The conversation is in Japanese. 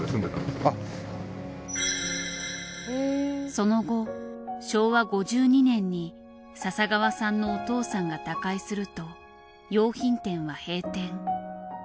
その後昭和５２年に笹川さんのお父さんが他界すると洋品店は閉店。